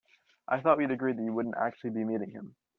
I thought we'd agreed that you wouldn't actually be meeting him?